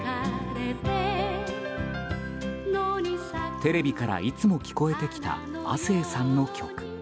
テレビからいつも聞こえてきた亜星さんの曲。